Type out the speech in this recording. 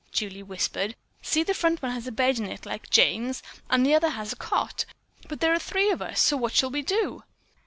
Julie whispered. "See the front one has a bed in it like Jane's and the other has the cot. But there are three of us, so what shall we do?"